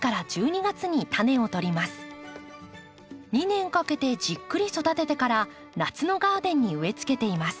２年かけてじっくり育ててから夏のガーデンに植えつけています。